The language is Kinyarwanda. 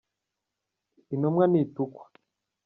Intumwa ntitukwa.